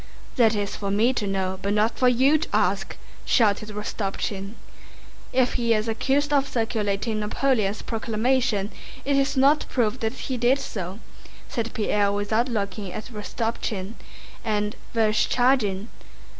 "That is for me to know, but not for you to ask," shouted Rostopchín. "If he is accused of circulating Napoleon's proclamation it is not proved that he did so," said Pierre without looking at Rostopchín, "and Vereshchágin..."